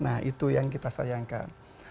nah itu yang kita sayangkan